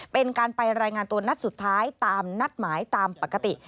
เป็นการไปรายงานตัวนัดสุดท้ายตามนัดหมายตามปกติ